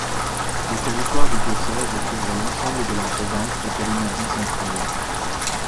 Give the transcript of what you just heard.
Le territoire du diocèse couvre l'ensemble de la province de Kalimantan central.